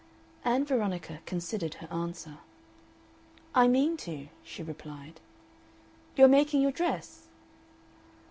Ann Veronica considered her answer. "I mean to," she replied. "You are making your dress?"